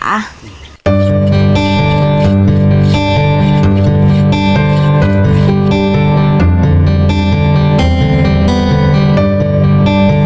โดรนนี่